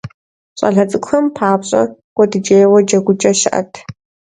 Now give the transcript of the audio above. ЩӀалэ цӀыкӀухэм папщӏэ куэдыкӏейуэ джэгукӀэ щыӏэт.